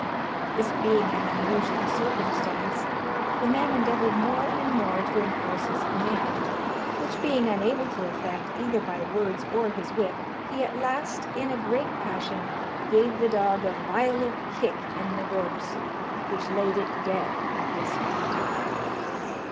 This being an unusual circumstance, the man endeavoured more and more to enforce his command; which being unable to effect, either by words or his whip, he at last, in a great passion, gave the dog a violent kick in the ribs, which laid it dead at his feet.